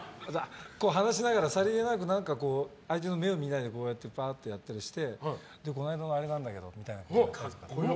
話しながらさりげなく相手の目を見ないでやったりしてで、この間のあれなんだけどみたいな。格好いい！